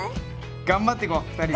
頑張っていこう２人で。